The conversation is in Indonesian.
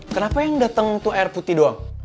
kenapa yang dateng tuh air putih doang